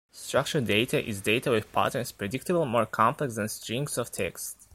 Structured data is data with patterns predictable more complex than strings of text.